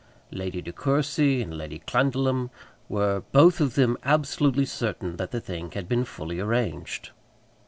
Lady De Courcy and Lady Clandidlem were, both of them, absolutely certain that the thing had been fully arranged.